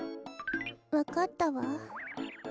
わかったわ。